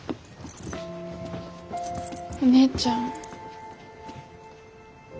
お姉ちゃん。